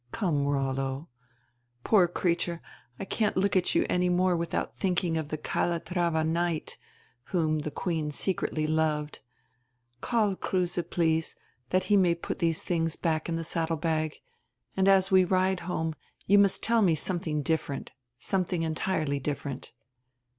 Come, Rollo. Poor creature, I can't look at you any more widiout diinking of die Calatrava knight, whom die queen secredy loved — Call Kruse, please, diat he may put these tilings hack in the saddle hag, and, as we ride home, you must tell me something different, some thing entirely different."